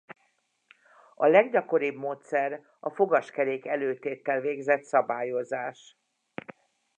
A leggyakoribb módszer a fogaskerék-előtéttel végzett szabályozás.